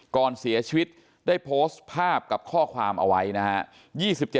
ก่อนเสียชีวิตได้โพสต์ภาพกับข้อความเอาไว้นะฮะ